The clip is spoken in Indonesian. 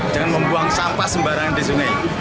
jangan membuang sampah sembarangan di sungai